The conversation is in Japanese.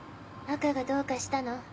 赤がどうかしたの？